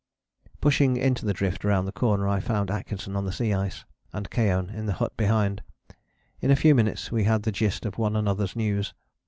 Pushing into the drift round the corner I found Atkinson on the sea ice, and Keohane in the hut behind. In a few minutes we had the gist of one another's news.